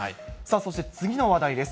そして次の話題です。